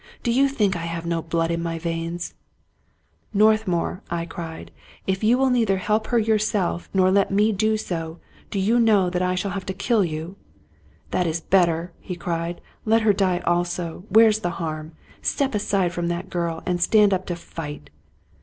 " Do you think I have no blood in my veins ?"" Northmour," I cried, " if you will neither help her yourself, nor let me do so, do you know that I shall have to kill you?" " That is better !" he cried. " Let her die also, where's the harm? Step aside from that girl! and stand up to fight."